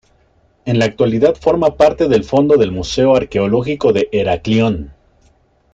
En la actualidad forma parte del fondo del Museo Arqueológico de Heraclión.